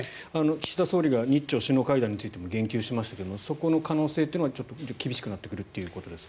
岸田総理が日朝首脳会談についても言及しましたけどそこの可能性というのはちょっと厳しくなってくるということですか。